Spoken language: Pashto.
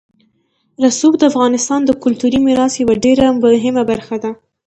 رسوب د افغانستان د کلتوري میراث یوه ډېره مهمه برخه ده.